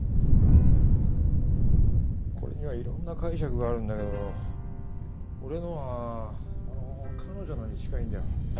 これにはいろんな解釈があるんだけど俺のはあの彼女のに近いんだよ。え？